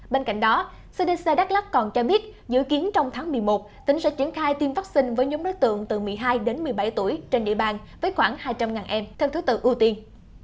bên cạnh đó cdc đắk lắc còn cho biết dự kiến trong tháng một mươi một tỉnh sẽ triển khai tiêm vaccine với nhóm đối tượng từ một mươi hai đến một mươi bảy tuổi trên địa bàn với khoảng hai trăm linh em theo thứ tự ưu tiên